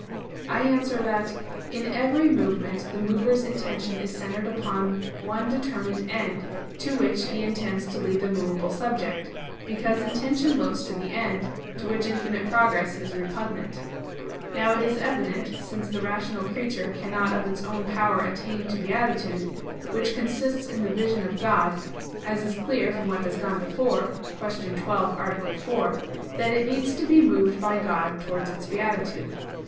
I answer that, In every movement the mover's intention is centered upon one determined end, to which he intends to lead the movable subject; because intention looks to the end, to which infinite progress is repugnant. Now it is evident, since the rational creature cannot of its own power attain to its beatitude, which consists in the vision of God, as is clear from what has gone before (Q. 12, A. 4), that it needs to be moved by God towards its beatitude.